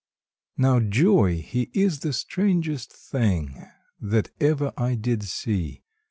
JOY Joy he is the strangest thing That ever I did see.